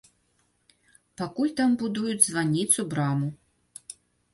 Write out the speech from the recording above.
Пакуль там будуюць званніцу-браму.